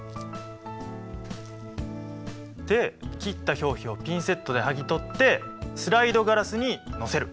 で切った表皮をピンセットではぎ取ってスライドガラスに載せる！